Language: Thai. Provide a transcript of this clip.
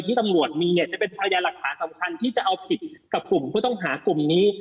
ที่ตำรวจมีเนี่ยจะเป็นพยานหลักฐานสำคัญที่จะเอาผิดกับกลุ่มผู้ต้องหากลุ่มนี้